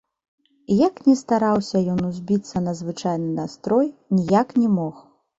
І як ні стараўся ён узбіцца на звычайны настрой, ніяк не мог.